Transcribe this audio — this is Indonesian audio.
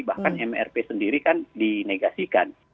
bahkan mrp sendiri kan dinegasikan